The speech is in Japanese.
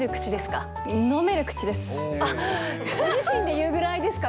飲める口ですか？